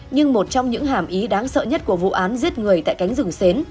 nhưng một trong những hàm ý đáng sợ nhất của vụ án giết người tại cánh rừng xến